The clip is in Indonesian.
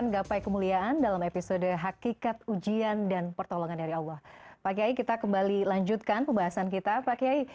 gapai kemuliaan akan kembali sesaat lagi